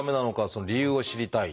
その理由を知りたい。